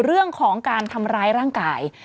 เรื่องของการทำร้ายร่างกาย